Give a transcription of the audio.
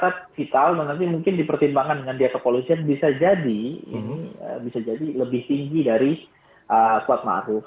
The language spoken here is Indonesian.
perang ini saya rasa vital dan nanti mungkin dipertimbangkan dengan dia kepolisian bisa jadi lebih tinggi dari kuat maruf